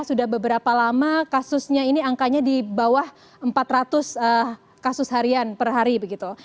sudah beberapa lama kasusnya ini angkanya di bawah empat ratus kasus harian per hari begitu